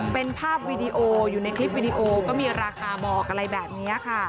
เป็นภาพวีดีโออยู่ในคลิปวิดีโอก็มีราคาบอกอะไรแบบนี้ค่ะ